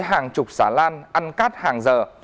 hàng chục xá lan ăn cắt hàng giờ